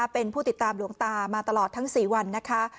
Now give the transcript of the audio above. เป็นผู้ติดตามหลวงตามาตลอดทั้ง๔วันนะคะ